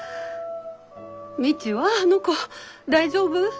未知はあの子大丈夫？